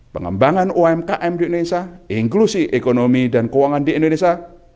pengembangan umkm di indonesia inklusi ekonomi dan keuangan di indonesia